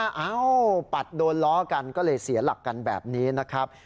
เอ้าปัดโดนล้อกันก็เลยเสียหลักกันแบบนี้นะครับ